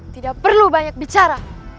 tidak perlu banyak bicara